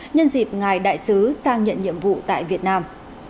nhân dịp ngài đại sứ sang nhận nhiệm vụ tại việt nam